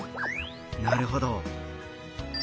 なるほど。